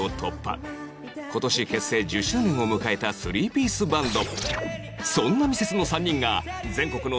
今年結成１０周年を迎えたスリーピースバンド